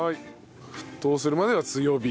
沸騰するまでは強火。